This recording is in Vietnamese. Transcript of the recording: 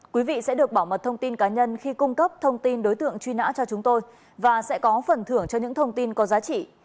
quý vị sẽ được bảo mật thông tin cá nhân khi cung cấp thông tin đối tượng truy nã cho chúng tôi và sẽ có phần thưởng cho những thông tin có giá trị